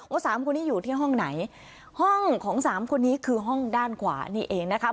สามคนนี้อยู่ที่ห้องไหนห้องของสามคนนี้คือห้องด้านขวานี่เองนะคะ